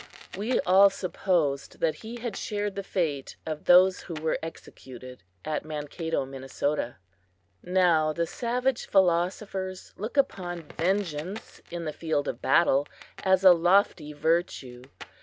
We all supposed that he had shared the fate of those who were executed at Mankato, Minnesota. Now the savage philosophers looked upon vengeance in the field of battle as a lofty virtue.